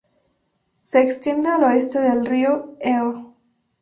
Se extiende al oeste del río Eo.